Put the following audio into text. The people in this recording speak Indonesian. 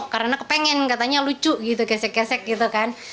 karena kepengen katanya lucu gitu kesek kesek gitu kan